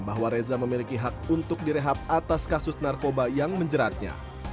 bahwa reza memiliki hak untuk direhab atas kasus narkoba yang menjeratnya